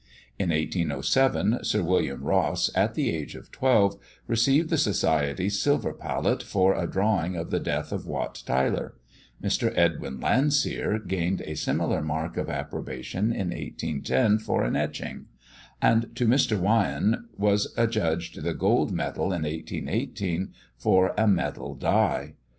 In 1807, Sir William Ross, at the age of twelve, received the Society's silver palette for a drawing of the death of Wat Tyler; Mr. Edwin Landseer gained a similar mark of approbation in 1810, for an etching; and to Mr. Wyon was adjudged the gold medal, in 1818, for a medal die.